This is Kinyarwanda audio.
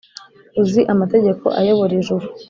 uzi amategeko ayobora ijuru’